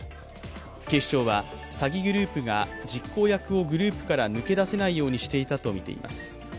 警視庁は詐欺グループが実行役をグループから抜け出せないようにしていたとみています。